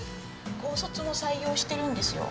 高卒も採用してるんですよ。